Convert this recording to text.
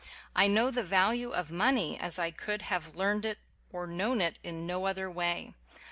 I know the value of money as I could have learned it or known it in no other way.